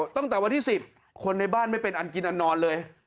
ตั้งแต่วันที่๑๐คนในบ้านไม่เป็นอันกินอันนอนเลย